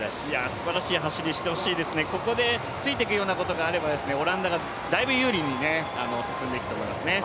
すばらしい走りをしてほしいですね、ここでついていくようなことがあればオランダがだいぶ有利に進んでいくと思いますね。